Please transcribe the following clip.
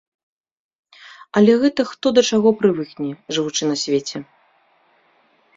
Але гэта хто да чаго прывыкне, жывучы на свеце.